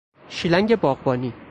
شیلنگ باغبانی